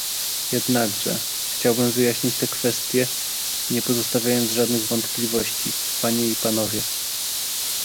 Jednakże, chciałbym wyjaśnić tę kwestię, nie pozostawiając żadnych wątpliwości, panie i panowie